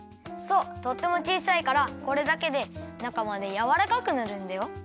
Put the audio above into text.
そうとってもちいさいからこれだけでなかまでやわらかくなるんだよ。